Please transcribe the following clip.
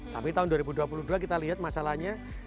tapi tahun dua ribu dua puluh dua kita lihat masalahnya